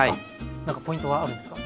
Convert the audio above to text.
なんかポイントはあるんですか？